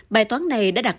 bài toán này đã đặt